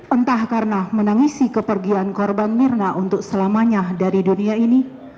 entah karena menangisi kepergian korban mirna untuk selamanya dari dunia ini